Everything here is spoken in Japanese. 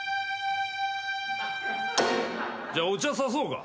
じゃあお茶さそうか。